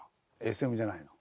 ＳＭじゃないの？